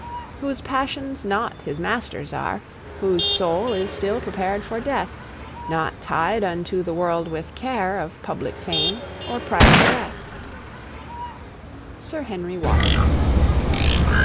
Whose passions not his master's are, Whose soul is still prepared for death, Not tied unto the world with care Of public fame, or private breath. SIR HENRY WOTTON.